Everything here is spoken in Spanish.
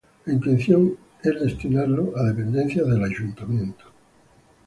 La intención es destinarlo a dependencias del Ayuntamiento.